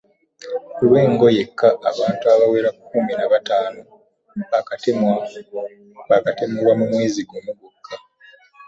Lwengo yekka, abantu abawera kkumi na bataano baakatemulwa mu mwezi gumu gwokka.